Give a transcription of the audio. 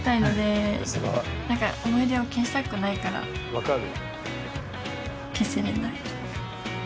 分かる！